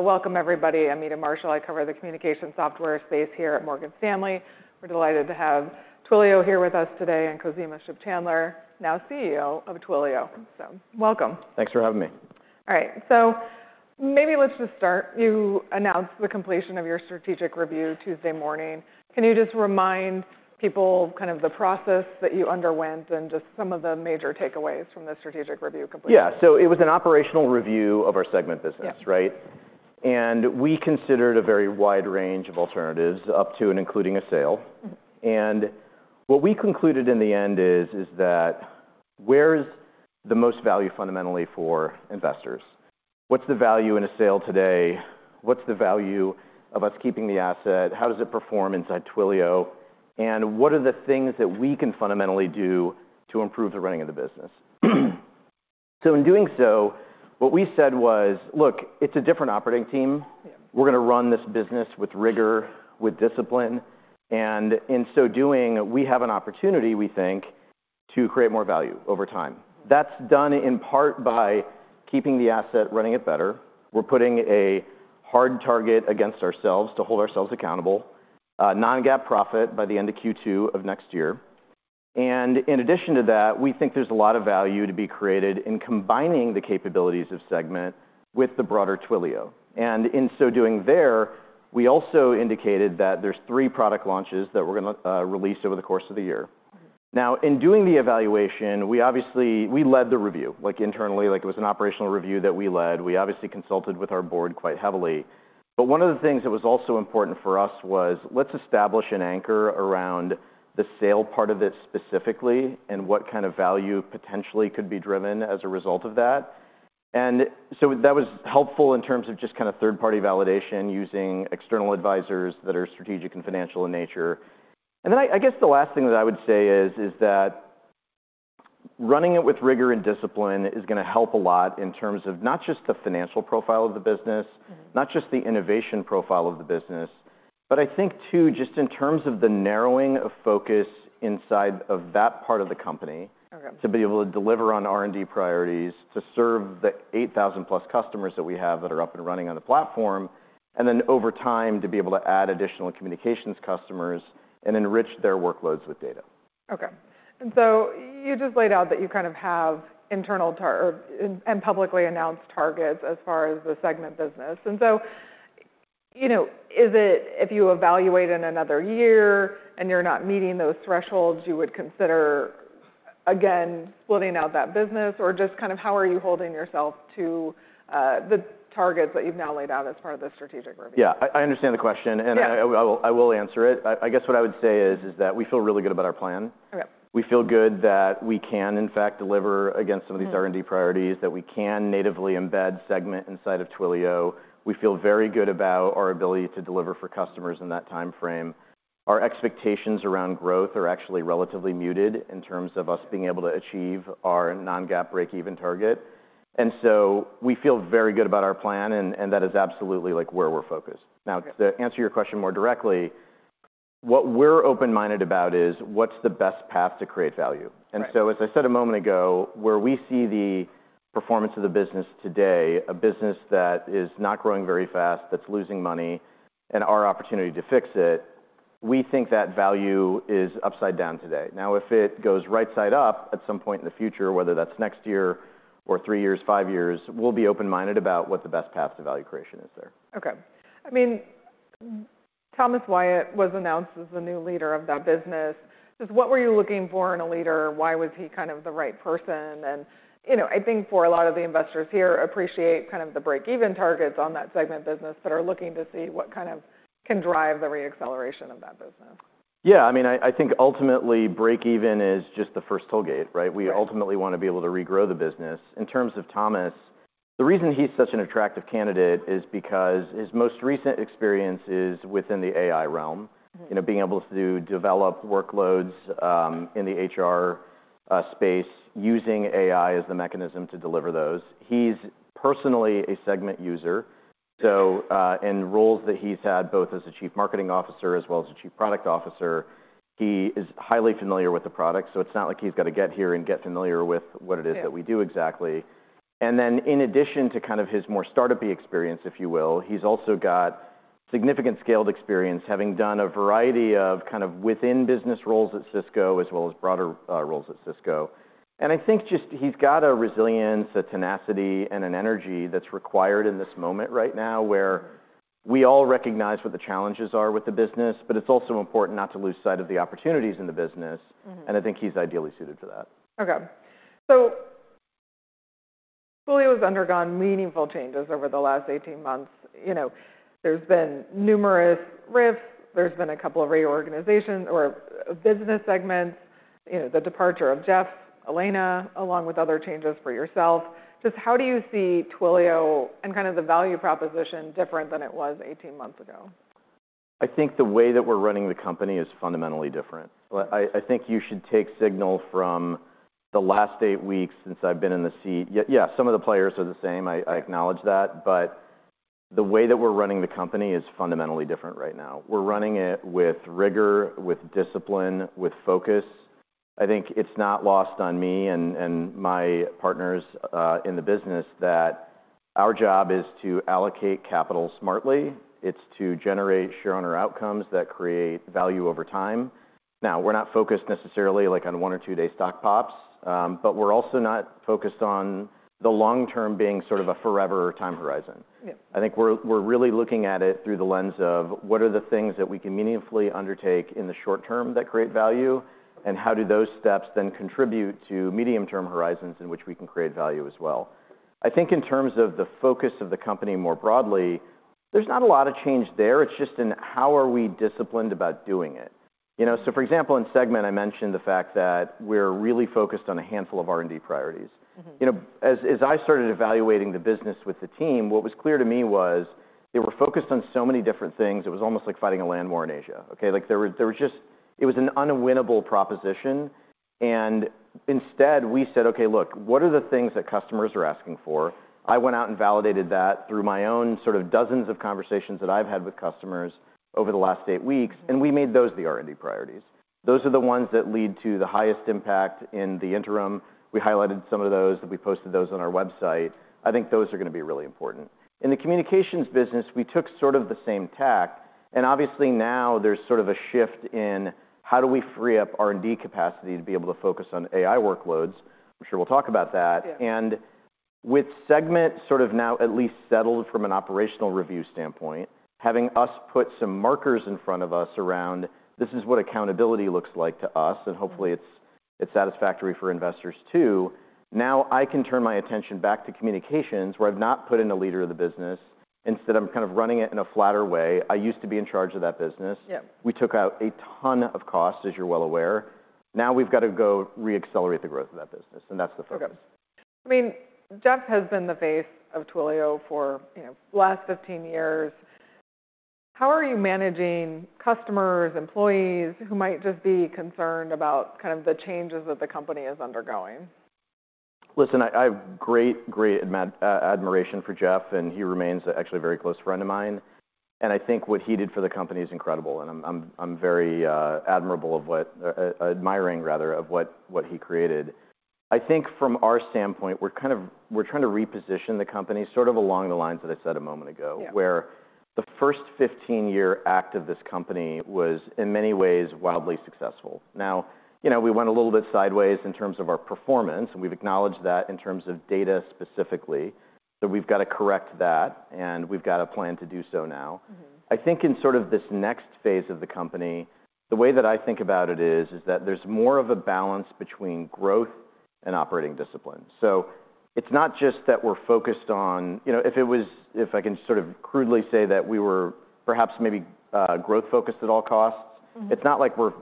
Welcome, everybody. I'm Meta Marshall. I cover the communication software space here at Morgan Stanley. We're delighted to have Twilio here with us today, and Khozema Shipchandler, now CEO of Twilio. Welcome. Thanks for having me. All right, so maybe let's just start. You announced the completion of your strategic review Tuesday morning. Can you just remind people kind of the process that you underwent and just some of the major takeaways from the strategic review completion? Yeah. So it was an operational review of our Segment business, right? Yeah. We considered a very wide range of alternatives, up to and including a sale. Mm-hmm. And what we concluded in the end is, is that where's the most value fundamentally for investors? What's the value in a sale today? What's the value of us keeping the asset? How does it perform inside Twilio? And what are the things that we can fundamentally do to improve the running of the business? So in doing so, what we said was, "Look, it's a different operating team. Yeah. We're gonna run this business with rigor, with discipline, and in so doing, we have an opportunity, we think, to create more value over time." That's done in part by keeping the asset, running it better. We're putting a hard target against ourselves to hold ourselves accountable, non-GAAP profit by the end of Q2 of next year. In addition to that, we think there's a lot of value to be created in combining the capabilities of Segment with the broader Twilio. In so doing there, we also indicated that there's three product launches that we're gonna release over the course of the year. Now, in doing the evaluation, we obviously... We led the review, like, internally, like, it was an operational review that we led. We obviously consulted with our board quite heavily. But one of the things that was also important for us was, let's establish an anchor around the sale part of it specifically, and what kind of value potentially could be driven as a result of that. And so that was helpful in terms of just kind of third-party validation, using external advisors that are strategic and financial in nature. And then I guess the last thing that I would say is that running it with rigor and discipline is gonna help a lot in terms of not just the financial profile of the business- Mm-hmm... not just the innovation profile of the business, but I think, too, just in terms of the narrowing of focus inside of that part of the company- Okay... to be able to deliver on R&D priorities, to serve the 8,000+ customers that we have that are up and running on the platform, and then over time, to be able to add additional communications customers and enrich their workloads with data. Okay. And so you just laid out that you kind of have internal targets, and publicly announced targets as far as the Segment business. And so, you know, is it, if you evaluate in another year, and you're not meeting those thresholds, you would consider again splitting out that business? Or just kind of how are you holding yourself to the targets that you've now laid out as part of the strategic review? Yeah, I understand the question. Yeah... and I will answer it. I guess what I would say is that we feel really good about our plan. Okay. We feel good that we can, in fact, deliver against some of these- Mm... R&D priorities, that we can natively embed Segment inside of Twilio. We feel very good about our ability to deliver for customers in that timeframe. Our expectations around growth are actually relatively muted in terms of us being able to achieve our non-GAAP breakeven target. And so we feel very good about our plan, and that is absolutely, like, where we're focused. Okay. Now, to answer your question more directly, what we're open-minded about is, what's the best path to create value? Right. And so, as I said a moment ago, where we see the performance of the business today, a business that is not growing very fast, that's losing money, and our opportunity to fix it, we think that value is upside down today. Now, if it goes right side up at some point in the future, whether that's next year or three years, five years, we'll be open-minded about what the best path to value creation is there. Okay. I mean, Thomas Wyatt was announced as the new leader of that business. Just what were you looking for in a leader? Why was he kind of the right person? And, you know, I think, for a lot of the investors here, appreciate kind of the break-even targets on that Segment business, but are looking to see what kind of can drive the re-acceleration of that business. Yeah, I mean, I, I think ultimately, break even is just the first toll gate, right? Right. We ultimately wanna be able to regrow the business. In terms of Thomas, the reason he's such an attractive candidate is because his most recent experience is within the AI realm- Mm-hmm... you know, being able to do, develop workloads in the HR space, using AI as the mechanism to deliver those. He's personally a Segment user, so, in roles that he's had, both as a Chief Marketing Officer as well as a Chief Product Officer, he is highly familiar with the product, so it's not like he's got to get here and get familiar with what it is- Yeah... that we do exactly. And then, in addition to kind of his more start-upy experience, if you will, he's also got significant scaled experience, having done a variety of kind of within business roles at Cisco, as well as broader, roles at Cisco. And I think just he's got a resilience, a tenacity, and an energy that's required in this moment right now, where we all recognize what the challenges are with the business, but it's also important not to lose sight of the opportunities in the business. Mm-hmm. I think he's ideally suited to that. Okay. So Twilio has undergone meaningful changes over the last 18 months. You know, there's been numerous RIFs, there's been a couple of reorganizations of business segments, you know, the departure of Jeff, Elena, along with other changes for yourself. Just how do you see Twilio and kind of the value proposition different than it was 18 months ago? I think the way that we're running the company is fundamentally different. Well, I, I think you should take signal from the last eight weeks since I've been in the seat. Yeah, yeah, some of the players are the same, I, I acknowledge that, but the way that we're running the company is fundamentally different right now. We're running it with rigor, with discipline, with focus... I think it's not lost on me and, and my partners, in the business that our job is to allocate capital smartly. It's to generate shareowner outcomes that create value over time. Now, we're not focused necessarily, like, on one or two-day stock pops, but we're also not focused on the long term being sort of a forever time horizon. Yeah. I think we're really looking at it through the lens of: what are the things that we can meaningfully undertake in the short term that create value, and how do those steps then contribute to medium-term horizons in which we can create value as well? I think in terms of the focus of the company more broadly, there's not a lot of change there. It's just in how are we disciplined about doing it, you know? So, for example, in Segment, I mentioned the fact that we're really focused on a handful of R&D priorities. Mm-hmm. You know, as, as I started evaluating the business with the team, what was clear to me was they were focused on so many different things, it was almost like fighting a land war in Asia, okay? Like, there were, there was just... It was an unwinnable proposition, and instead we said, "Okay, look, what are the things that customers are asking for?" I went out and validated that through my own sort of dozens of conversations that I've had with customers over the last eight weeks, and we made those the R&D priorities. Those are the ones that lead to the highest impact in the interim. We highlighted some of those, and we posted those on our website. I think those are gonna be really important. In the communications business, we took sort of the same tack, and obviously, now there's sort of a shift in how do we free up R&D capacity to be able to focus on AI workloads? I'm sure we'll talk about that. Yeah. With Segment sort of now at least settled from an operational review standpoint, having us put some markers in front of us around this is what accountability looks like to us- Mm... and hopefully it's, it's satisfactory for investors, too. Now, I can turn my attention back to communications, where I've not put in a leader of the business. Instead, I'm kind of running it in a flatter way. I used to be in charge of that business. Yeah. We took out a ton of costs, as you're well aware. Now, we've got to go re-accelerate the growth of that business, and that's the focus. Okay. I mean, Jeff has been the face of Twilio for, you know, the last 15 years. How are you managing customers, employees, who might just be concerned about kind of the changes that the company is undergoing? Listen, I've great, great admiration for Jeff, and he remains actually a very close friend of mine, and I think what he did for the company is incredible, and I'm very admiring, rather, of what he created. I think from our standpoint, we're kind of trying to reposition the company, sort of along the lines that I said a moment ago. Yeah... where the first 15-year act of this company was, in many ways, wildly successful. Now, you know, we went a little bit sideways in terms of our performance, and we've acknowledged that in terms of data specifically, so we've got to correct that, and we've got a plan to do so now. Mm-hmm. I think in sort of this next phase of the company, the way that I think about it is that there's more of a balance between growth and operating discipline. So it's not just that we're focused on... You know, if it was- if I can sort of crudely say that we were perhaps maybe growth focused at all costs- Mm-hmm... it's not like we're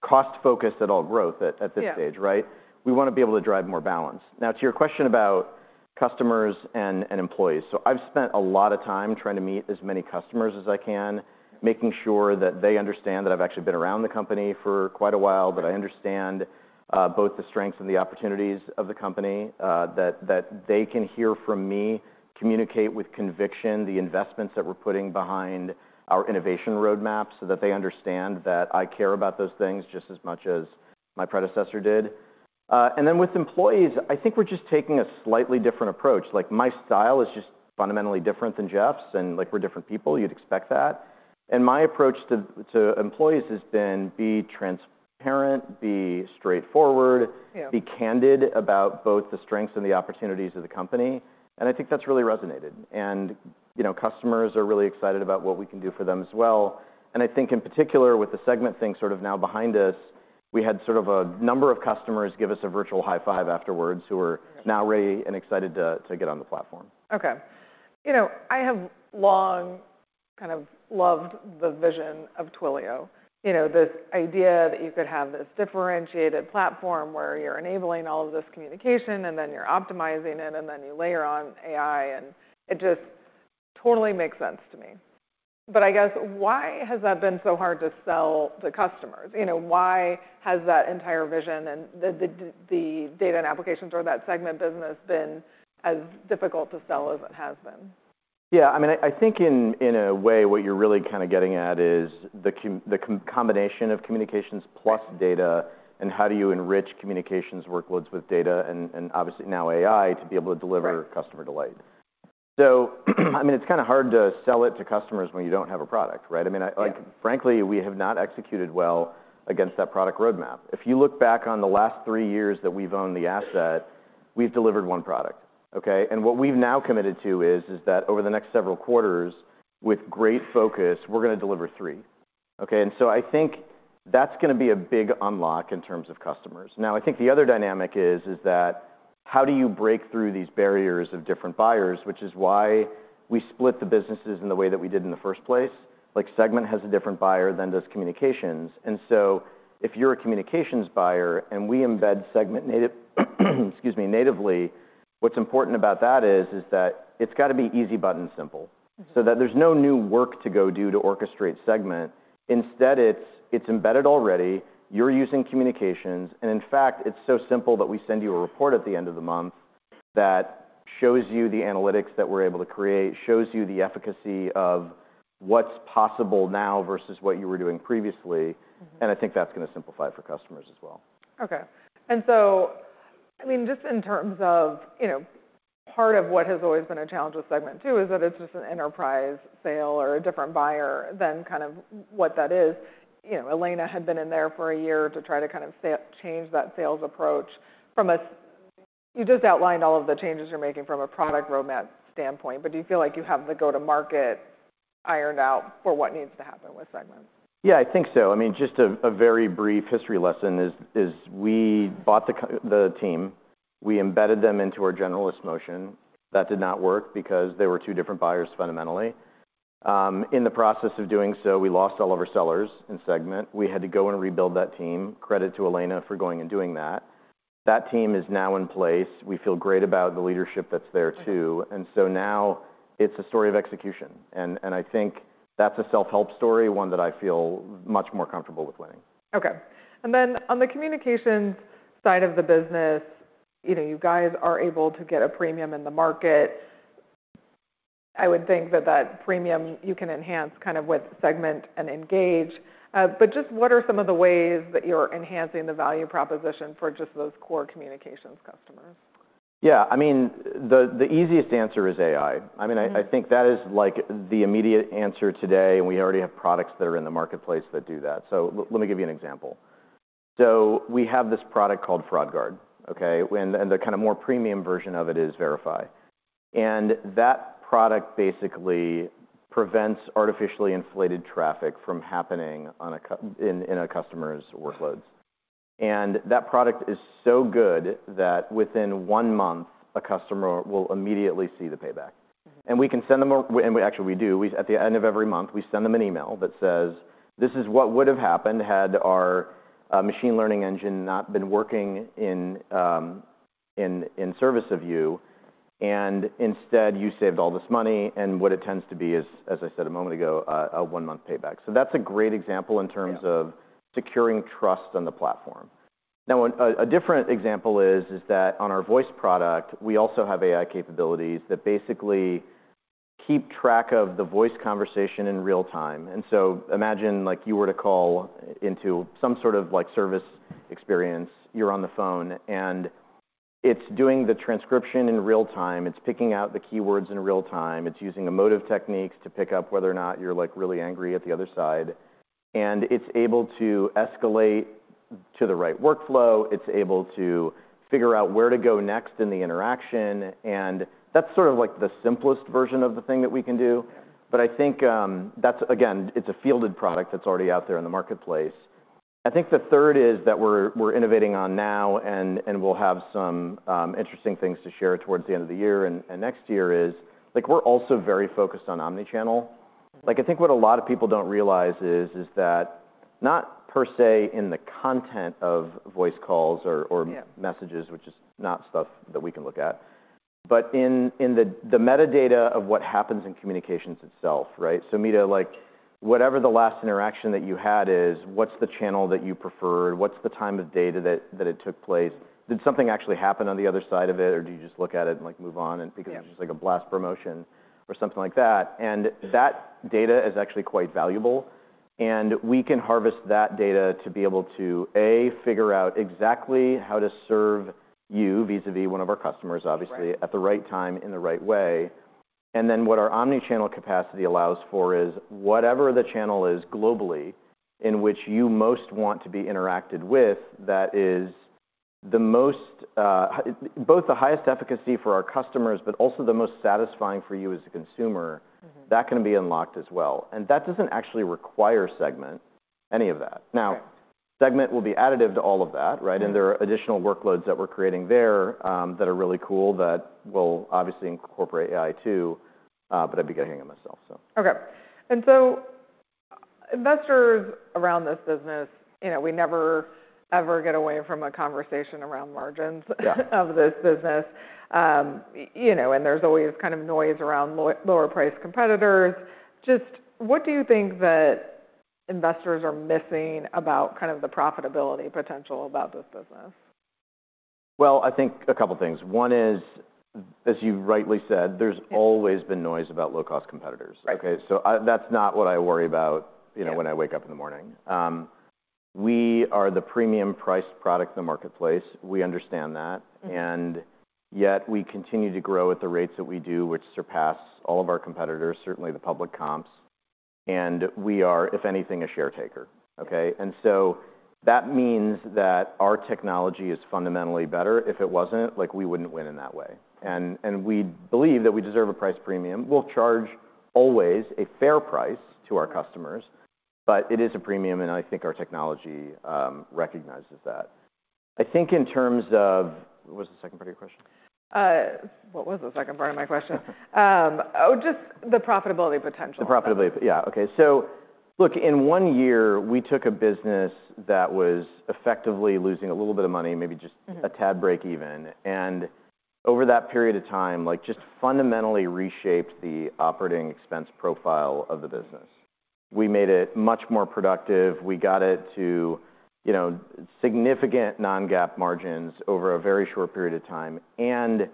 cost focused at all. Growth at this stage- Yeah... right? We want to be able to drive more balance. Now, to your question about customers and, and employees, so I've spent a lot of time trying to meet as many customers as I can, making sure that they understand that I've actually been around the company for quite a while- Yeah... that I understand both the strengths and the opportunities of the company. That they can hear from me, communicate with conviction, the investments that we're putting behind our innovation roadmap, so that they understand that I care about those things just as much as my predecessor did. And then with employees, I think we're just taking a slightly different approach. Like, my style is just fundamentally different than Jeff's, and, like, we're different people, you'd expect that. And my approach to employees has been be transparent, be straightforward- Yeah... be candid about both the strengths and the opportunities of the company, and I think that's really resonated. And, you know, customers are really excited about what we can do for them as well. And I think in particular, with the Segment thing sort of now behind us, we had sort of a number of customers give us a virtual high five afterwards, who are now ready and excited to get on the platform. Okay. You know, I have long kind of loved the vision of Twilio. You know, this idea that you could have this differentiated platform, where you're enabling all of this communication, and then you're optimizing it, and then you layer on AI, and it just totally makes sense to me. But I guess, why has that been so hard to sell to customers? You know, why has that entire vision and the data and applications or that Segment business been as difficult to sell as it has been? Yeah, I mean, I think in a way, what you're really kind of getting at is the combination of communications plus data, and how do you enrich communications workloads with data and obviously now AI, to be able to deliver- Right... customer delight. So I mean, it's kind of hard to sell it to customers when you don't have a product, right? I mean- Yeah... like, frankly, we have not executed well against that product roadmap. If you look back on the last three years that we've owned the asset, we've delivered one product, okay? And what we've now committed to is, is that over the next several quarters, with great focus, we're gonna deliver three, okay? And so I think that's gonna be a big unlock in terms of customers. Now, I think the other dynamic is, is that how do you break through these barriers of different buyers? Which is why we split the businesses in the way that we did in the first place. Like, Segment has a different buyer than does Communications. And so if you're a Communications buyer and we embed Segment native- excuse me, natively, what's important about that is, is that it's got to be easy, button, simple- Mm-hmm... so that there's no new work to go do to orchestrate Segment. Instead, it's, it's embedded already. You're using Communications, and in fact, it's so simple that we send you a report at the end of the month that shows you the analytics that we're able to create, shows you the efficacy of what's possible now versus what you were doing previously. Mm-hmm. I think that's gonna simplify it for customers as well. Okay. So, I mean, just in terms of, you know, part of what has always been a challenge with Segment too, is that it's just an enterprise sale or a different buyer than kind of what that is. You know, Elena had been in there for a year to try to kind of change that sales approach from a... You just outlined all of the changes you're making from a product roadmap standpoint, but do you feel like you have the go-to-market ironed out for what needs to happen with Segment? Yeah, I think so. I mean, just a very brief history lesson is we bought the team, we embedded them into our generalist motion. That did not work because they were two different buyers, fundamentally. In the process of doing so, we lost all of our sellers in Segment. We had to go and rebuild that team. Credit to Elena for going and doing that. That team is now in place. We feel great about the leadership that's there, too. Mm-hmm. And so now it's a story of execution, and I think that's a self-help story, one that I feel much more comfortable with winning. Okay. And then on the communications side of the business, you know, you guys are able to get a premium in the market. I would think that that premium you can enhance kind of with Segment and Engage, but just what are some of the ways that you're enhancing the value proposition for just those core communications customers? Yeah, I mean, the easiest answer is AI. Mm. I mean, I think that is, like, the immediate answer today, and we already have products that are in the marketplace that do that. So let me give you an example. So we have this product called Fraud Guard, okay? And the kind of more premium version of it is Verify. And that product basically prevents artificially inflated traffic from happening in a customer's workloads. And that product is so good that within one month, a customer will immediately see the payback. Mm-hmm. And actually, we do, at the end of every month, we send them an email that says, "This is what would have happened had our machine learning engine not been working in service of you, and instead, you saved all this money." And what it tends to be is, as I said a moment ago, a one-month payback. So that's a great example in terms of- Yeah... securing trust on the platform. Now, a different example is that on our voice product, we also have AI capabilities that basically keep track of the voice conversation in real time. And so imagine, like, you were to call into some sort of, like, service experience. You're on the phone, and it's doing the transcription in real time, it's picking out the keywords in real time, it's using emotive techniques to pick up whether or not you're, like, really angry at the other side, and it's able to escalate to the right workflow, it's able to figure out where to go next in the interaction, and that's sort of, like, the simplest version of the thing that we can do. Yeah. But I think, that's, again, it's a fielded product that's already out there in the marketplace. I think the third is that we're innovating on now, and we'll have some interesting things to share towards the end of the year and next year, is like, we're also very focused on omni-channel. Like, I think what a lot of people don't realize is that not per se in the content of voice calls or- Yeah... messages, which is not stuff that we can look at, but in the metadata of what happens in communications itself, right? So Meta, like, whatever the last interaction that you had is, what's the channel that you preferred? What's the time of day that it took place? Did something actually happen on the other side of it, or do you just look at it and, like, move on and- Yeah... because it's just like a blast promotion or something like that? Yeah. That data is actually quite valuable, and we can harvest that data to be able to, A, figure out exactly how to serve you, vis-a-vis, one of our customers, obviously- Right... at the right time, in the right way. And then what our omnichannel capacity allows for is, whatever the channel is globally in which you most want to be interacted with, that is, the most, both the highest efficacy for our customers, but also the most satisfying for you as a consumer- Mm-hmm... that can be unlocked as well, and that doesn't actually require Segment, any of that. Right. Now, Segment will be additive to all of that, right? Yeah. There are additional workloads that we're creating there, that are really cool, that will obviously incorporate AI, too, but I'm getting ahead of myself, so. Okay. And so investors around this business, you know, we never, ever get away from a conversation around margins - Yeah... of this business. You know, and there's always kind of noise around lower-priced competitors. Just what do you think that investors are missing about kind of the profitability potential about this business? Well, I think a couple things. One is, as you've rightly said- Yeah... there's always been noise about low-cost competitors. Right. Okay, so that's not what I worry about, you know- Yeah... when I wake up in the morning. We are the premium priced product in the marketplace. We understand that. Mm-hmm. And yet we continue to grow at the rates that we do, which surpass all of our competitors, certainly the public comps. And we are, if anything, a share taker, okay? And so that means that our technology is fundamentally better. If it wasn't, like, we wouldn't win in that way. And we believe that we deserve a price premium. We'll charge always a fair price to our customers- Mm... but it is a premium, and I think our technology, recognizes that. I think in terms of... What was the second part of your question? What was the second part of my question? Just the profitability potential. The profitability. Yeah, okay. So look, in one year, we took a business that was effectively losing a little bit of money, maybe just- Mm-hmm... a tad break even, and over that period of time, like, just fundamentally reshaped the operating expense profile of the business. We made it much more productive. We got it to, you know, significant non-GAAP margins over a very short period of time, and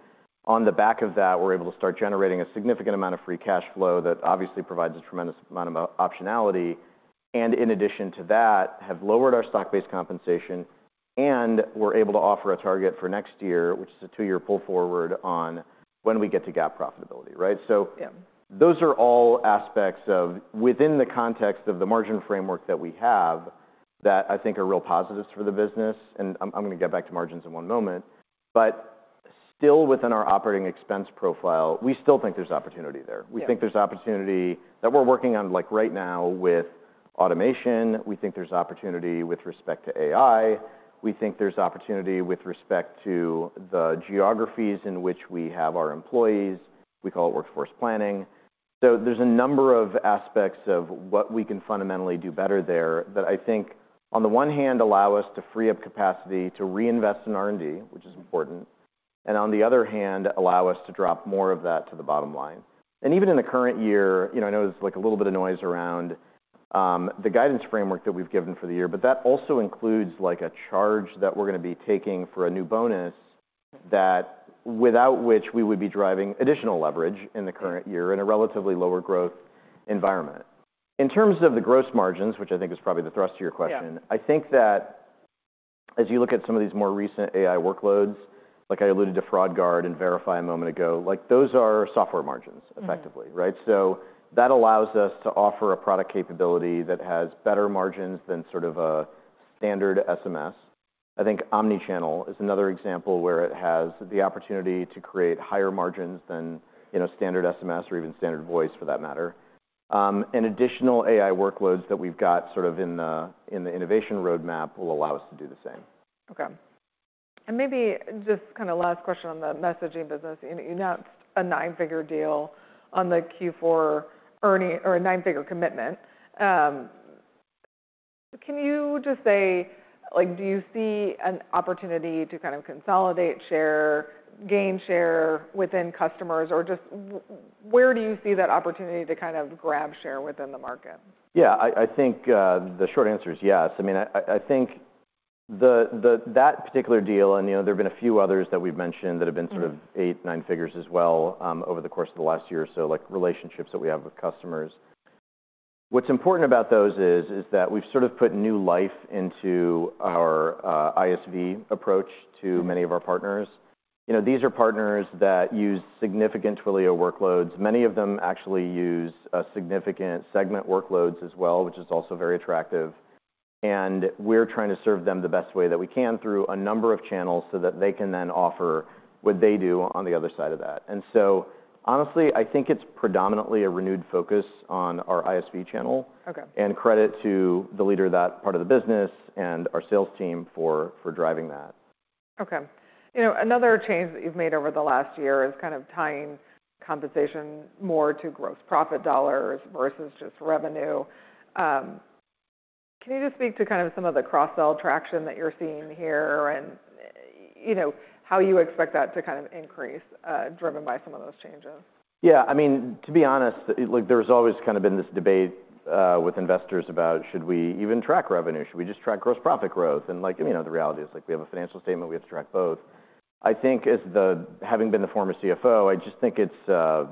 on the back of that, we're able to start generating a significant amount of free cash flow that obviously provides a tremendous amount of optionality, and in addition to that, have lowered our stock-based compensation, and we're able to offer a target for next year, which is a two-year pull forward on when we get to GAAP profitability, right? So- Yeah. those are all aspects of within the context of the margin framework that we have, that I think are real positives for the business, and I'm, I'm gonna get back to margins in one moment. But still within our operating expense profile, we still think there's opportunity there. Yeah. We think there's opportunity that we're working on, like, right now with automation. We think there's opportunity with respect to AI. We think there's opportunity with respect to the geographies in which we have our employees. We call it workforce planning. So there's a number of aspects of what we can fundamentally do better there, that I think on the one hand, allow us to free up capacity to reinvest in R&D, which is important, and on the other hand, allow us to drop more of that to the bottom line. Even in the current year, you know, I know there's, like, a little bit of noise around, the guidance framework that we've given for the year, but that also includes, like, a charge that we're gonna be taking for a new bonus, that without which we would be driving additional leverage in the current year in a relatively lower growth environment. In terms of the gross margins, which I think is probably the thrust to your question- Yeah. I think that as you look at some of these more recent AI workloads, like I alluded to Fraud Guard and Verify a moment ago, like, those are software margins effectively. Mm-hmm. Right? So that allows us to offer a product capability that has better margins than sort of a standard SMS. I think omni-channel is another example where it has the opportunity to create higher margins than, you know, standard SMS or even standard voice, for that matter. And additional AI workloads that we've got sort of in the innovation roadmap will allow us to do the same. Okay. And maybe just kind of last question on the messaging business. You know, you announced a nine-figure deal on the Q4 earnings... or a nine-figure commitment. Can you just say, like, do you see an opportunity to kind of consolidate, share, gain share within customers, or just where do you see that opportunity to kind of grab share within the market? Yeah, I think the short answer is yes. I mean, I think the—that particular deal, and, you know, there have been a few others that we've mentioned that have been- Mm-hmm... sort of eight to nine figures as well, over the course of the last year or so, like relationships that we have with customers. What's important about those is that we've sort of put new life into our ISV approach to many of our partners. You know, these are partners that use significant Twilio workloads. Many of them actually use significant Segment workloads as well, which is also very attractive, and we're trying to serve them the best way that we can through a number of channels, so that they can then offer what they do on the other side of that. And so honestly, I think it's predominantly a renewed focus on our ISV channel- Okay... and credit to the leader of that part of the business and our sales team for, for driving that. Okay. You know, another change that you've made over the last year is kind of tying compensation more to gross profit dollars versus just revenue. Can you just speak to kind of some of the cross-sell traction that you're seeing here and, you know, how you expect that to kind of increase, driven by some of those changes? Yeah, I mean, to be honest, like, there's always kind of been this debate with investors about should we even track revenue? Should we just track gross profit growth? And like, you know, the reality is, like, we have a financial statement, we have to track both. I think as the... Having been the former CFO, I just think it's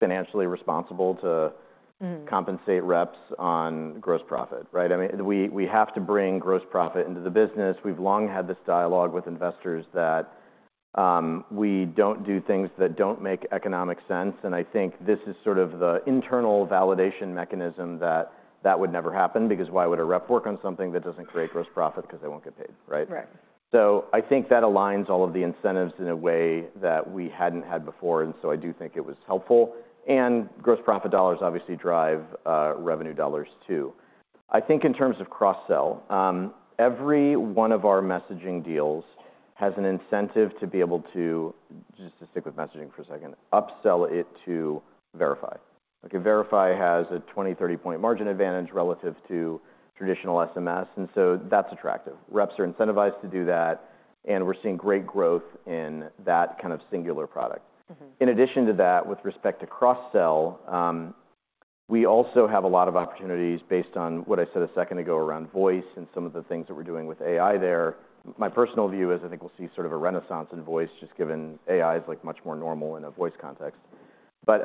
financially responsible to- Mm-hmm... compensate reps on gross profit, right? I mean, we, we have to bring gross profit into the business. We've long had this dialogue with investors that, we don't do things that don't make economic sense, and I think this is sort of the internal validation mechanism that that would never happen, because why would a rep work on something that doesn't create gross profit? Because they won't get paid, right? Right. So I think that aligns all of the incentives in a way that we hadn't had before, and so I do think it was helpful. And gross profit dollars obviously drive, revenue dollars, too. I think in terms of cross-sell, every one of our messaging deals has an incentive to be able to, just to stick with messaging for a second, upsell it to Verify. Okay, Verify has a 20-30-point margin advantage relative to traditional SMS, and so that's attractive. Reps are incentivized to do that, and we're seeing great growth in that kind of singular product. Mm-hmm. In addition to that, with respect to cross-sell, we also have a lot of opportunities based on what I said a second ago around voice and some of the things that we're doing with AI there. My personal view is, I think we'll see sort of a renaissance in voice, just given AI is, like, much more normal in a voice context. But,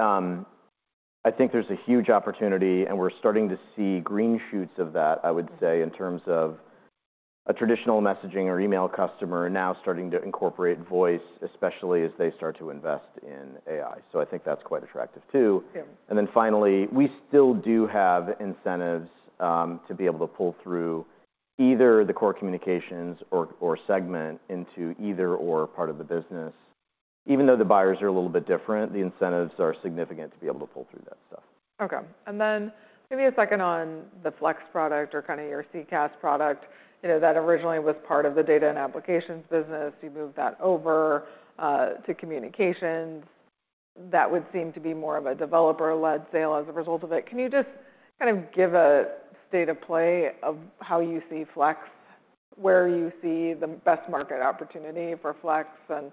I think there's a huge opportunity, and we're starting to see green shoots of that, I would say, in terms of a traditional messaging or email customer now starting to incorporate voice, especially as they start to invest in AI. So I think that's quite attractive too. Yeah. And then finally, we still do have incentives to be able to pull through either the core communications or, or Segment into either or part of the business. Even though the buyers are a little bit different, the incentives are significant to be able to pull through that stuff. Okay. And then maybe a second on the Flex product or kind of your CCaaS product. You know, that originally was part of the data and applications business. You moved that over to communications. That would seem to be more of a developer-led sale as a result of it. Can you just kind of give a state of play of how you see Flex? Where you see the best market opportunity for Flex and,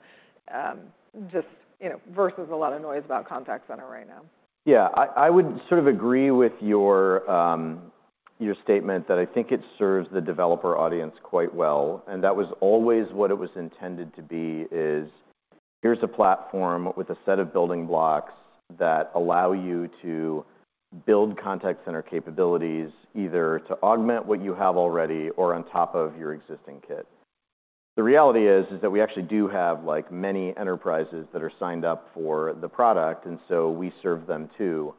just, you know, versus a lot of noise about contact center right now? Yeah, I would sort of agree with your your statement, that I think it serves the developer audience quite well, and that was always what it was intended to be, is: here's a platform with a set of building blocks that allow you to build contact center capabilities, either to augment what you have already or on top of your existing kit. The reality is that we actually do have, like, many enterprises that are signed up for the product, and so we serve them, too.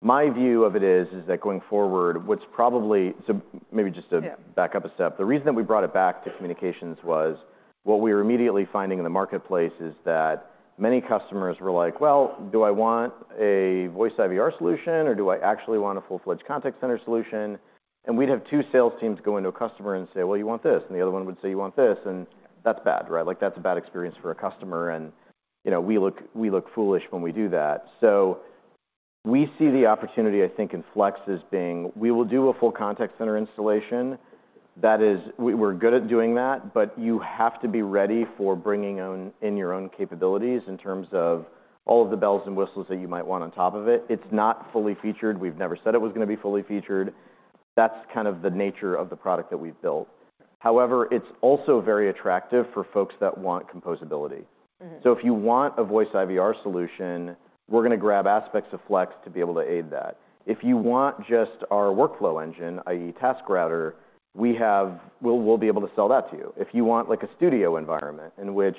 My view of it is that going forward, what's probably- so maybe just to- Yeah Back up a step. The reason that we brought it back to communications was, what we were immediately finding in the marketplace is that many customers were like, "Well, do I want a voice IVR solution, or do I actually want a full-fledged contact center solution?" And we'd have two sales teams go into a customer and say, "Well, you want this," and the other one would say, "You want this," and that's bad, right? Like, that's a bad experience for a customer and, you know, we look foolish when we do that. So we see the opportunity, I think, in Flex as being, we will do a full contact center installation. That is, we're good at doing that, but you have to be ready for bringing your own in your own capabilities in terms of all of the bells and whistles that you might want on top of it. It's not fully featured. We've never said it was gonna be fully featured. That's kind of the nature of the product that we've built. However, it's also very attractive for folks that want composability. Mm-hmm. So if you want a voice IVR solution, we're gonna grab aspects of Flex to be able to aid that. If you want just our workflow engine, i.e., TaskRouter, we'll be able to sell that to you. If you want, like, a Studio environment in which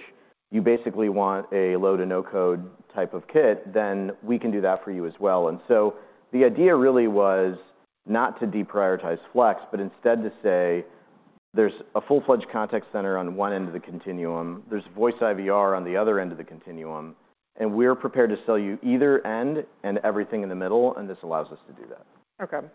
you basically want a low-to-no-code type of kit, then we can do that for you as well. And so the idea really was not to deprioritize Flex, but instead to say, there's a full-fledged contact center on one end of the continuum, there's voice IVR on the other end of the continuum, and we're prepared to sell you either end and everything in the middle, and this allows us to do that. Okay.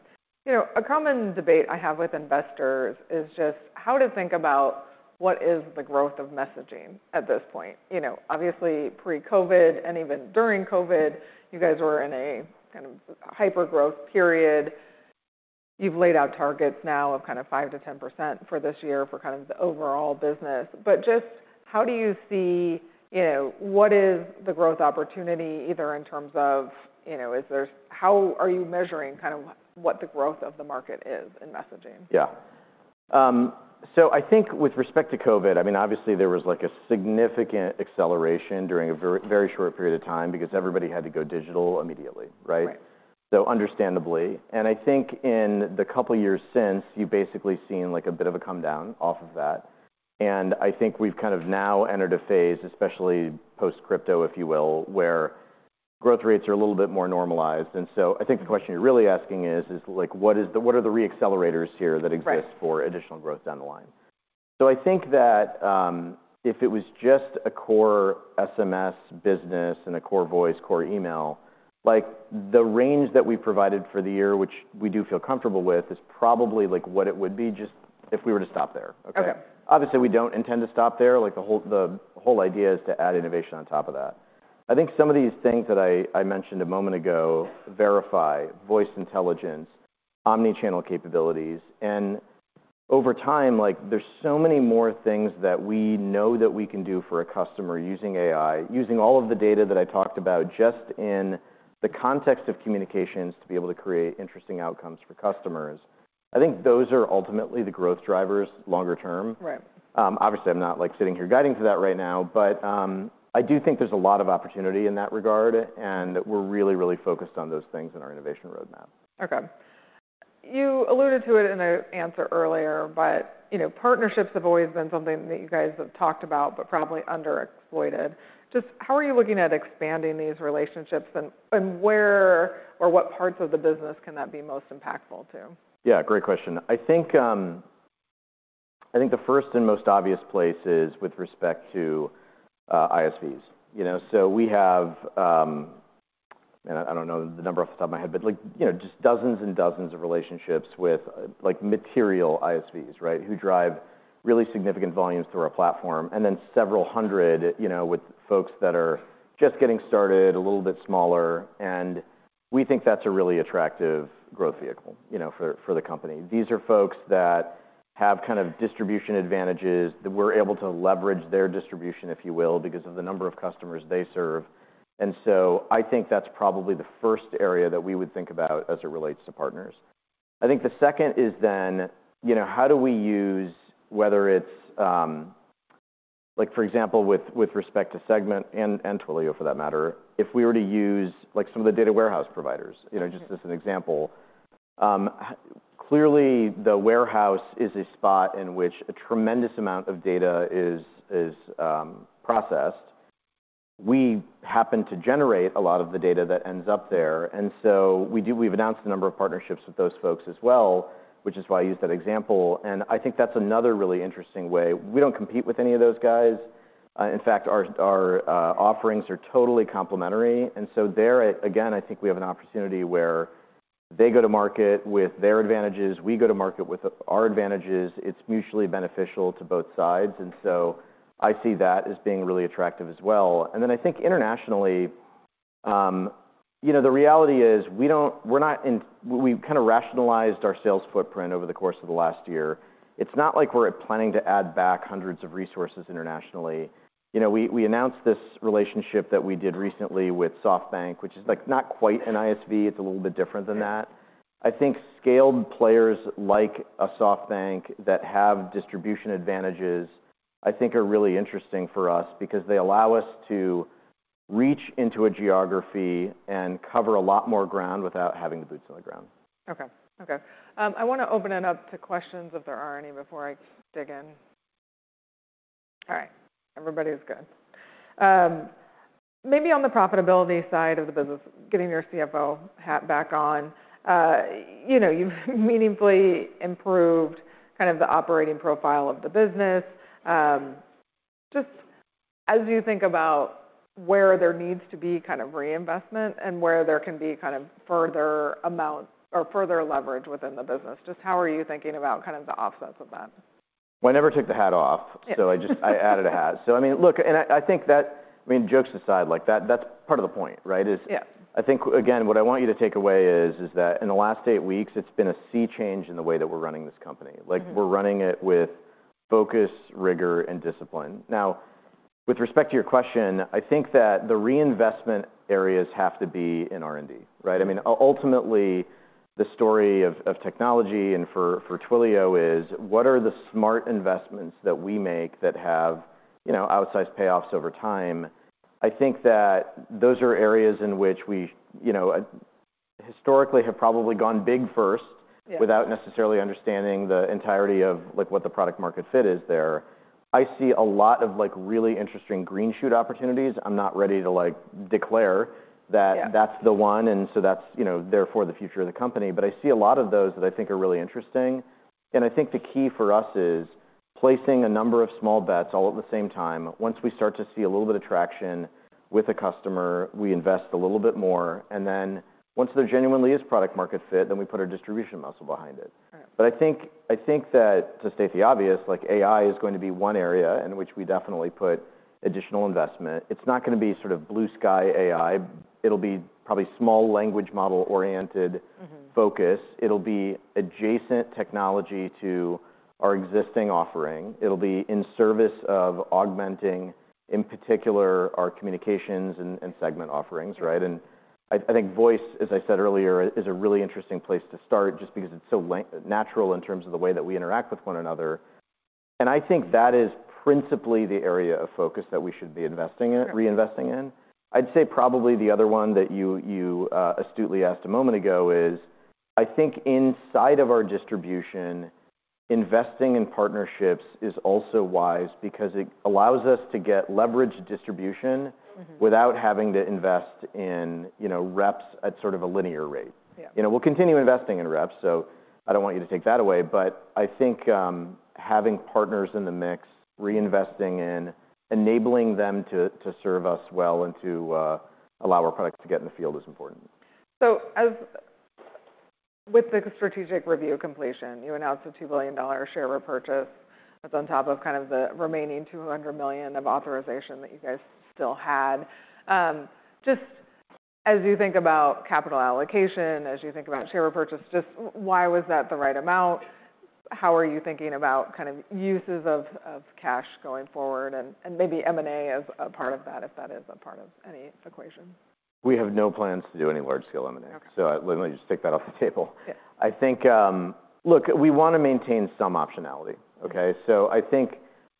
You know, a common debate I have with investors is just how to think about what is the growth of messaging at this point. You know, obviously, pre-COVID, and even during COVID, you guys were in a kind of hyper-growth period. You've laid out targets now of kind of 5%-10% for this year for kind of the overall business. But just how do you see, you know, what is the growth opportunity, either in terms of, you know, is there... How are you measuring kind of what the growth of the market is in messaging? Yeah. So I think with respect to COVID, I mean, obviously, there was, like, a significant acceleration during a very short period of time because everybody had to go digital immediately, right? Right. So understandably, and I think in the couple of years since, you've basically seen, like, a bit of a come down off of that. And I think we've kind of now entered a phase, especially post-crypto, if you will, where growth rates are a little bit more normalized. And so I think the question you're really asking is, like, what are the reaccelerators here that exist- Right... for additional growth down the line? So I think that, if it was just a core SMS business and a core voice, core email, like, the range that we provided for the year, which we do feel comfortable with, is probably, like, what it would be just if we were to stop there. Okay? Okay. Obviously, we don't intend to stop there. Like, the whole, the whole idea is to add innovation on top of that. I think some of these things that I, I mentioned a moment ago, Verify, Voice Intelligence, omni-channel capabilities, and over time, like, there's so many more things that we know that we can do for a customer using AI, using all of the data that I talked about, just in the context of communications, to be able to create interesting outcomes for customers. I think those are ultimately the growth drivers longer term. Right. Obviously, I'm not, like, sitting here guiding to that right now, but I do think there's a lot of opportunity in that regard, and we're really, really focused on those things in our innovation roadmap. Okay. You alluded to it in an answer earlier, but, you know, partnerships have always been something that you guys have talked about, but probably underexploited. Just how are you looking at expanding these relationships, and where or what parts of the business can that be most impactful to? Yeah, great question. I think, I think the first and most obvious place is with respect to ISVs. You know, so we have, and I, I don't know the number off the top of my head, but, like, you know, just dozens and dozens of relationships with, like, material ISVs, right? Who drive really significant volumes through our platform, and then several hundred, you know, with folks that are just getting started, a little bit smaller, and we think that's a really attractive growth vehicle, you know, for, for the company. These are folks that have kind of distribution advantages, that we're able to leverage their distribution, if you will, because of the number of customers they serve. And so I think that's probably the first area that we would think about as it relates to partners. I think the second is then, you know, how do we use, whether it's, like, for example, with, with respect to Segment and, and Twilio, for that matter, if we were to use, like, some of the data warehouse providers, you know- Mm-hmm... just as an example. Clearly, the warehouse is a spot in which a tremendous amount of data is processed. We happen to generate a lot of the data that ends up there, and so we've announced a number of partnerships with those folks as well, which is why I used that example, and I think that's another really interesting way. We don't compete with any of those guys. In fact, our offerings are totally complementary, and so there, again, I think we have an opportunity where they go to market with their advantages, we go to market with our advantages. It's mutually beneficial to both sides, and so I see that as being really attractive as well. And then I think internationally-... You know, the reality is, we've kind of rationalized our sales footprint over the course of the last year. It's not like we're planning to add back hundreds of resources internationally. You know, we announced this relationship that we did recently with SoftBank, which is, like, not quite an ISV, it's a little bit different than that. I think scaled players like a SoftBank that have distribution advantages, I think are really interesting for us because they allow us to reach into a geography and cover a lot more ground without having the boots on the ground. Okay. Okay. I wanna open it up to questions, if there are any, before I dig in. All right, everybody is good. Maybe on the profitability side of the business, getting your CFO hat back on, you know, you've meaningfully improved kind of the operating profile of the business. Just as you think about where there needs to be kind of reinvestment and where there can be kind of further amounts or further leverage within the business, just how are you thinking about kind of the offsets of that? Well, I never took the hat off- Yeah. So I just... I added a hat. So I mean, look, and I, I think that, I mean, jokes aside, like, that, that's part of the point, right? Is- Yeah. I think, again, what I want you to take away is that in the last eight weeks, it's been a sea change in the way that we're running this company. Mm-hmm. Like, we're running it with focus, rigor, and discipline. Now, with respect to your question, I think that the reinvestment areas have to be in R&D, right? I mean, ultimately, the story of technology and for Twilio is, what are the smart investments that we make that have, you know, outsized payoffs over time? I think that those are areas in which we, you know, historically, have probably gone big first- Yeah... without necessarily understanding the entirety of, like, what the product market fit is there. I see a lot of, like, really interesting green shoot opportunities. I'm not ready to, like, declare that- Yeah... that's the one, and so that's, you know, therefore, the future of the company. But I see a lot of those that I think are really interesting, and I think the key for us is placing a number of small bets all at the same time. Once we start to see a little bit of traction with a customer, we invest a little bit more, and then once there genuinely is product market fit, then we put our distribution muscle behind it. Right. But I think, I think that, to state the obvious, like, AI is going to be one area in which we definitely put additional investment. It's not gonna be sort of blue-sky AI. It'll be probably small-language model-oriented- Mm-hmm... focus. It'll be adjacent technology to our existing offering. It'll be in service of augmenting, in particular, our communications and Segment offerings, right? And I think voice, as I said earlier, is a really interesting place to start, just because it's so natural in terms of the way that we interact with one another. And I think that is principally the area of focus that we should be reinvesting in. I'd say probably the other one that you astutely asked a moment ago is, I think inside of our distribution, investing in partnerships is also wise because it allows us to get leverage distribution- Mm-hmm... without having to invest in, you know, reps at sort of a linear rate. Yeah. You know, we'll continue investing in reps, so I don't want you to take that away, but I think, having partners in the mix, reinvesting in, enabling them to serve us well and to allow our products to get in the field is important. So, as with the strategic review completion, you announced a $2 billion share repurchase. That's on top of kind of the remaining $200 million of authorization that you guys still had. Just as you think about capital allocation, as you think about share repurchase, just why was that the right amount? How are you thinking about kind of uses of, of cash going forward and, and maybe M&A as a part of that, if that is a part of any equation? We have no plans to do any large-scale M&A. Okay. So let me just take that off the table. Yeah. I think, look, we wanna maintain some optionality, okay? So I think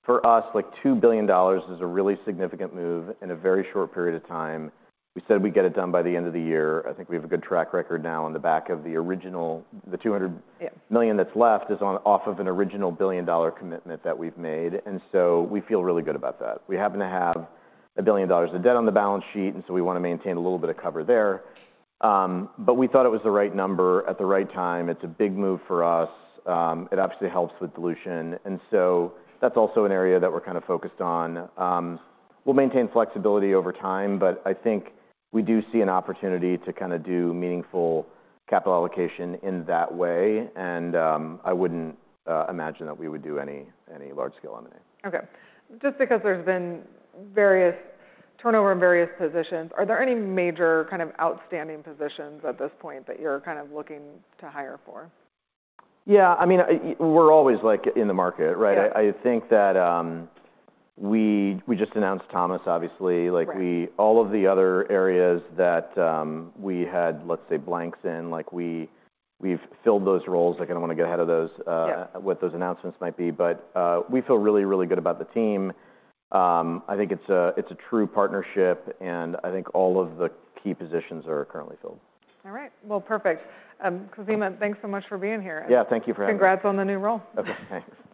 for us, like, $2 billion is a really significant move in a very short period of time. We said we'd get it done by the end of the year. I think we have a good track record now on the back of the original, the 200- Yeah... million that's left is on top of an original $1 billion commitment that we've made, and so we feel really good about that. We happen to have $1 billion of debt on the balance sheet, and so we wanna maintain a little bit of cover there, but we thought it was the right number at the right time. It's a big move for us. It absolutely helps with dilution, and so that's also an area that we're kind of focused on. We'll maintain flexibility over time, but I think we do see an opportunity to kind of do meaningful capital allocation in that way, and I wouldn't imagine that we would do any large scale M&A. Okay. Just because there's been various turnover in various positions, are there any major kind of outstanding positions at this point that you're kind of looking to hire for? Yeah, I mean, we're always, like, in the market, right? Yeah. I think that we just announced Thomas, obviously. Right. Like, all of the other areas that we had, let's say, blanks in, like, we've filled those roles. I don't wanna get ahead of those. Yeah... what those announcements might be. But we feel really, really good about the team. I think it's a, it's a true partnership, and I think all of the key positions are currently filled. All right. Well, perfect. Khozema, thanks so much for being here. Yeah, thank you for having me. Congrats on the new role. Okay, thanks.